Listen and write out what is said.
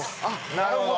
なるほど。